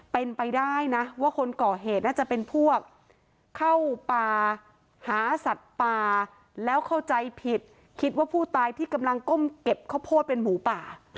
เป็นไปได้นะว่าคนก่อเหตุน่าจะเป็นพวกเข้าป่าหาสัตว์ป่าแล้วเข้าใจผิดคิดว่าผู้ตายที่กำลังก้มเก็บข้าวโพดเป็นหมูป่า